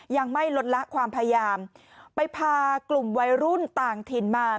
ยังไม่ลดละความพยายามไปพากลุ่มวัยรุ่นต่างถิ่นมา